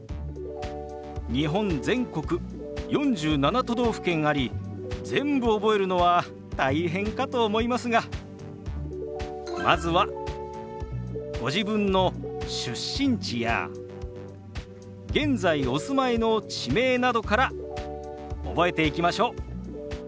日本全国４７都道府県あり全部覚えるのは大変かと思いますがまずはご自分の出身地や現在お住まいの地名などから覚えていきましょう。